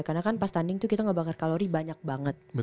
karena kan pas tanding tuh kita ngebangkar kalori banyak banget